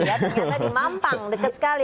ya ternyata di mampang dekat sekali